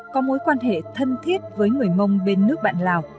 có mối quan hệ thân thiết với người mông bên nước bạn lào